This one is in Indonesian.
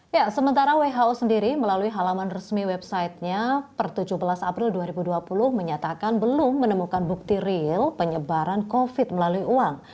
ya sementara who sendiri melalui halaman resmi websitenya per tujuh belas april dua ribu dua puluh menyatakan belum menemukan bukti real penyebaran covid melalui uang